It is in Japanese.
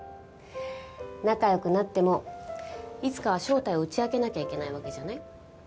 仲良くなってもいつかは正体を打ち明けなきゃいけないわけじゃない？